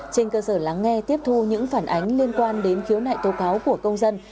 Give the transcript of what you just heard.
trên cơ sở lắng nghe tiếp thu những phản ánh liên quan đến khiếu nại tố cáo của công dân